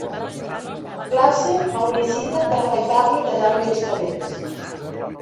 Lace el visita per afaitar-lo i tallar-li els cabells